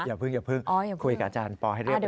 อย่าเพิ่งคุยกับอาจารย์ปอร์ให้เรียบร้อยก่อน